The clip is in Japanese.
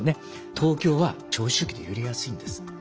東京は長周期で揺れやすいんです。